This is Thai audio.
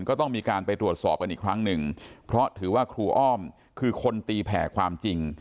ก็ต้องมีการไปตรวจสอบกันอีกครั้งหนึ่งเพราะถือว่าครูอ้อมคือคนตีแผ่ความจริง